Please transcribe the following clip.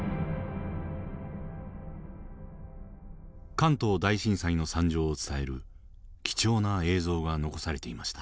関東大震災の惨状を伝える貴重な映像が残されていました。